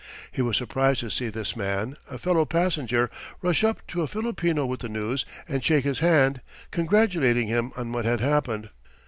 He was surprised to see this man, a fellow passenger, rush up to a Filipino with the news and shake his hand, congratulating him on what had happened.